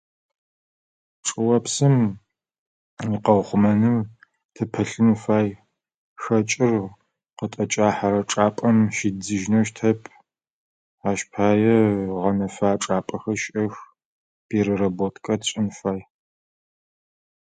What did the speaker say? Чӏыопсым къэухъумэным тыпэлъын фай. Хэкӏэу къытэкӏахэрэ чӏапӏэм щидзыжьынэу щытэп. Ащ пае гъэнэфагъэ чӏапӏэхэр щыӏэх. Переработка тшӏын фай.